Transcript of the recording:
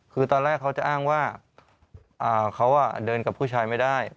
คือตอนแรกเขาจะอ้างว่าเขาเดินกับผู้ชายไม่ได้